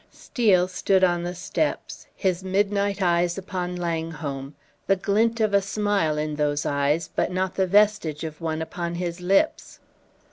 Steel stood on the steps, his midnight eyes upon Langholm, the glint of a smile in those eyes, but not the vestige of one upon his lips.